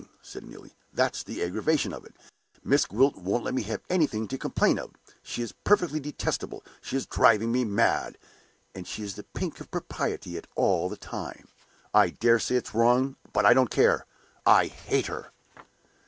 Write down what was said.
said Neelie. "That's the aggravation of it. Miss Gwilt won't let me have anything to complain of. She is perfectly detestable; she is driving me mad; and she is the pink of propriety all the time. I dare say it's wrong, but I don't care I hate her!"